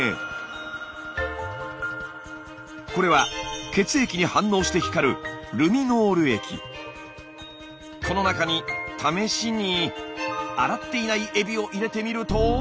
これは血液に反応して光るこの中に試しに洗っていないエビを入れてみると。